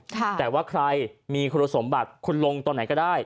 แต่ว่าใครมีคุณสมบัติคุณลงตอนไหนก็ได้